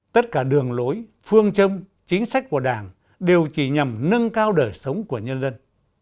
tất cả đường lối phương châm chính sách của đảng đều chỉ nhằm nâng cao đời sống của nhân dân